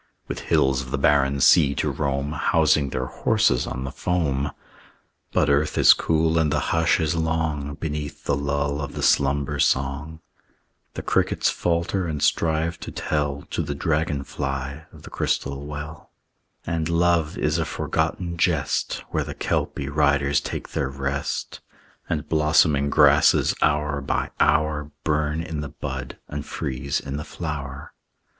With hills of the barren sea to roam, Housing their horses on the foam. But earth is cool and the hush is long Beneath the lull of the slumber song The crickets falter and strive to tell To the dragon fly of the crystal well; And love is a forgotten jest, Where the Kelpie riders take their rest, And blossoming grasses hour by hour Burn in the bud and freeze in the flower.